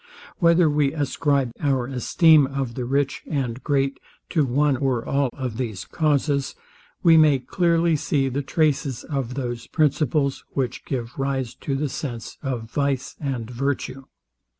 Whether we ascribe our esteem of the rich and great to one or all of these causes, we may clearly see the traces of those principles, which give rise to the sense of vice and virtue.